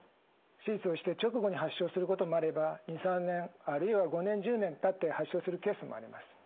手術をして直後に発症することもあれば２３年あるいは５年１０年たって発症するケースもあります。